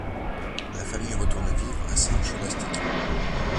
La famille retourne vivre à Sainte-Scholastique.